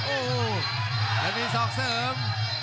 โอ้วจะมีสอกเสริม